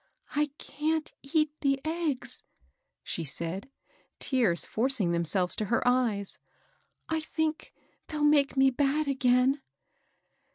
^* I can't eat the eggs," she said, tears forcing themselves to her eyes. ^^I think they'll make me bad again."